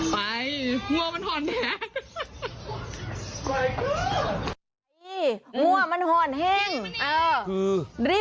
ไปเคียงหัวมาตอนนี้